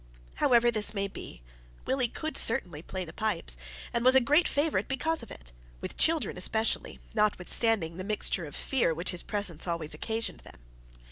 However this may be, Willie could certainly play the pipes, and was a great favourite because of it with children especially, notwithstanding the mixture of fear which his presence always occasioned them.